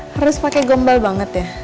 harus pakai gombal banget ya